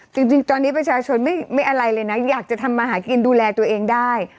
จริงตอนนี้ประชาชนไม่อะไรเลยนะอยากจะทำมาหากินดูแลตัวเองได้